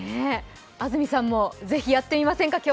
安住さんもぜひやってみませんか？